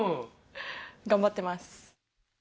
頑張ってます。